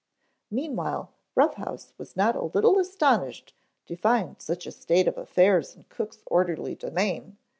Meanwhile Rough House was not a little astonished to find such a state of affairs in cook's orderly domain.